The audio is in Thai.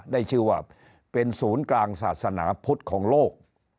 ได้ชื่อว่าเป็นศูนย์กลางศาสนาพุทธของโลก